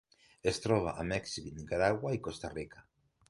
Es troba a Mèxic, Nicaragua i Costa Rica.